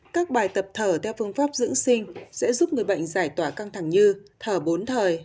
các bài tập thở theo phương pháp dưỡng sinh sẽ giúp người bệnh giải tỏa căng thẳng như thở bốn thời